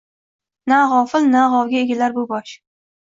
Na gʼofil, na gʼovga egilar bu bosh